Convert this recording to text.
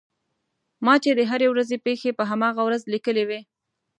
ما چې د هرې ورځې پېښې په هماغه ورځ لیکلې وې.